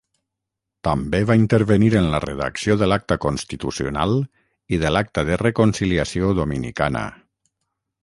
També va intervenir en la redacció de l'Acta Constitucional i de l'Acta de Reconciliació Dominicana.